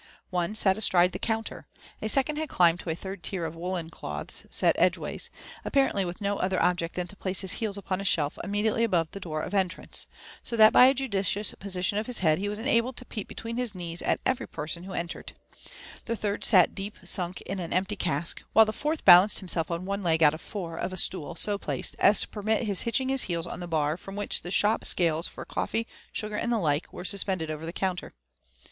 One sat astride the counter; a second had climbed to a third tier of woollen cloths set edgeway», apparently with no other object than to place his heels upon a shelf immediately above the door of entrance, 80 that by a judicious position of his head he was enabled to peep be M UFfi AND ADVENTURES OF twedniiis knaes «( every poraoQ who eodered : the Ihurd sat deep miDk jn «n empty cmk ; while the fourth balanced himself on ooe leg out of four of a glool 80 placed as to permit his hitching his heels on the bar iirom which the shop scales for coffee, sugar, and the like, were sus pended over the counter.